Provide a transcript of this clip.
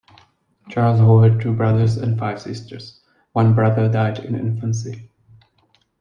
Charles Hall had two brothers and five sisters; one brother died in infancy.